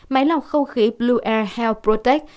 máy lọc không khí blue air health protect